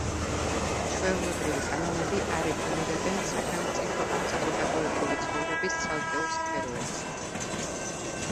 ჩვეულებრივი კანონები არეგულირებენ სახელმწიფო ან საზოგადოებრივი ცხოვრების ცალკეულ სფეროებს.